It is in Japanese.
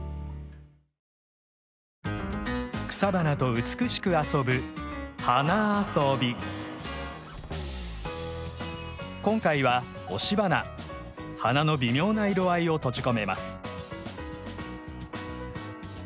草花と美しく遊ぶ今回は花の微妙な色合いを閉じ込めます。